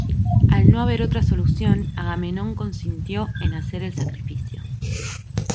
Al no haber otra solución, Agamenón consintió en hacer el sacrificio.